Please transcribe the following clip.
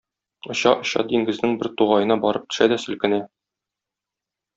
Оча-оча диңгезнең бер тугаена барып төшә дә селкенә.